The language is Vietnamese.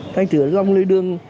thành thửa dòng lệ đường